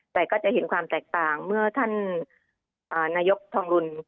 แต่ก็จะเห็นความแตกต่างเมื่อท่านนายกทองรุน